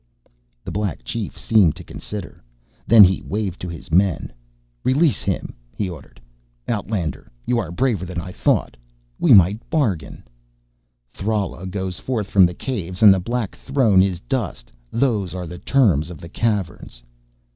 The Black Chief seemed to consider. Then he waved to his men. "Release him," he ordered. "Outlander, you are braver than I thought. We might bargain " "Thrala goes forth from the Caves and the black throne is dust, those are the terms of the Caverns."